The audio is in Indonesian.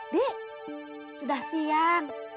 dik sudah siang